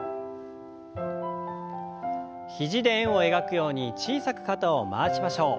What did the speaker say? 肘で円を描くように小さく肩を回しましょう。